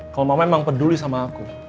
kalau mama memang peduli sama aku